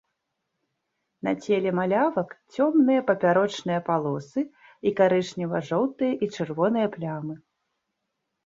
На целе малявак цёмныя папярочныя палосы і карычнева-жоўтыя і чырвоныя плямы.